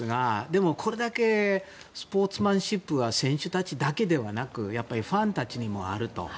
でも、これだけスポーツマンシップが選手たちだけではなくやっぱりファンたちにもあると。